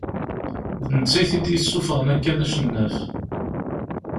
D netta i t-id-yessufɣen akka d acennaf.